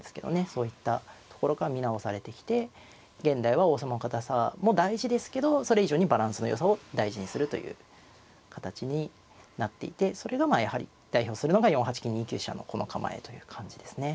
そういったところが見直されてきて現代は王様の堅さも大事ですけどそれ以上にバランスのよさを大事にするという形になっていてそれがまあやはり代表するのが４八金２九飛車のこの構えという感じですね。